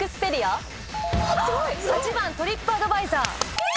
８番トリップアドバイザー。